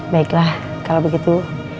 baiklah kalau begitu